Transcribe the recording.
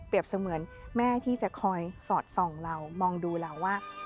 เสมือนแม่ที่จะคอยสอดส่องเรามองดูเราว่า